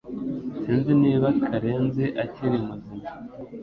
Sinzi niba Karenzi akiri muzima